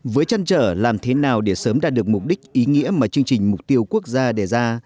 với chăn trở làm thế nào để sớm đạt được mục đích ý nghĩa mà chương trình mục tiêu quốc gia đề ra